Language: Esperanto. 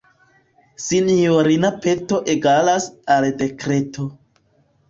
Sinjorina peto egalas al dekreto.